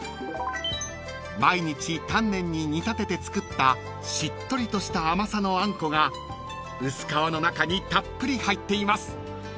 ［毎日丹念に煮立てて作ったしっとりとした甘さのあんこが薄皮の中にたっぷり入っています］